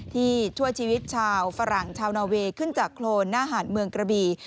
ที่ช่วยชีวิตชาวฝรั่งชาวนอเวย์ขึ้นจากโครนหน้าหาดเมืองกระบี